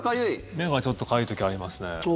目がちょっとかゆい時ありますね。